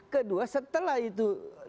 kedua setelah itu